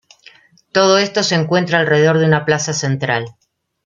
Todo esto se encuentra alrededor de una plaza central.